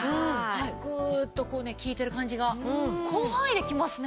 グーッとこうね効いている感じが広範囲できますね！